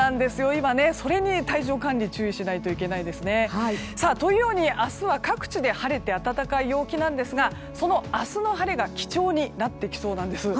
今、それに体調管理注意しないといけないですね。というように明日は各地で晴れて暖かい陽気なんですがその明日の晴れが貴重になってきそうなんです。